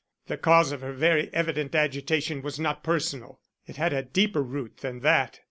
"The cause of her very evident agitation was not personal. It had a deeper root than that.